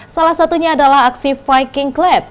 salah satunya adalah aksi viking clap